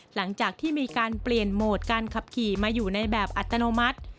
หลังจากที่มีการเปลี่ยนโหมดการขับขี่มาอยู่ในแบบอัตโนมัติ